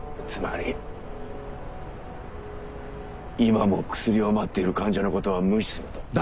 つまり今も薬を待っている患者のことは無視すると。